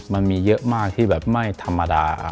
มันมีเยอะมากที่แบบไม่ธรรมดา